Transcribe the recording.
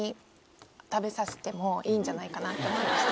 いいんじゃないかなと思いました。